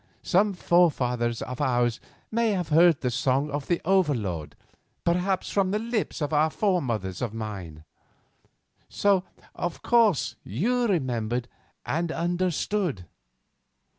Some forefather of yours may have heard the song of the Over Lord, perhaps from the lips of some foremother of mine. So, of course, you remembered and understood."